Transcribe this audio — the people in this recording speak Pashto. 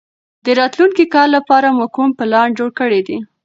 د راتلونکي کال لپاره مو کوم پلان جوړ کړی دی؟